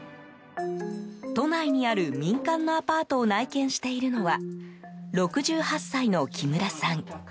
都内にある、民間のアパートを内見しているのは６８歳の木村さん。